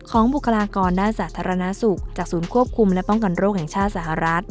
บุคลากรด้านสาธารณสุขจากศูนย์ควบคุมและป้องกันโรคแห่งชาติสหรัฐ